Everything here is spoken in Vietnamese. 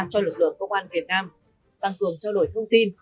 cho lực lượng công an việt nam tăng cường trao đổi thông tin